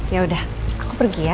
ya udah aku pergi ya